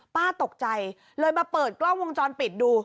ป้าตกใจเลยมาเปิดกล้องวงจรปิดดู